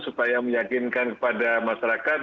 supaya meyakinkan kepada masyarakat